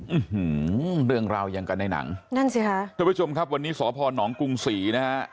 อื้อหือเรื่องราวยังกันในหนังทุกผู้ชมครับวันนี้สพหนองกรุงศรีนะฮะ